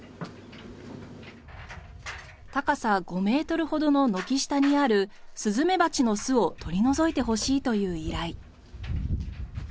高さ５メートルほどの軒下にあるスズメバチの巣を取り除いてほしいという依頼。